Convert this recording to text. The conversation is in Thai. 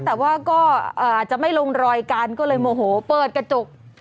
แต่ว่าก็จะไม่ลงรอยกันก็เลยโมโหเปิดกระจก